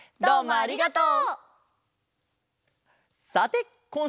ありがとう！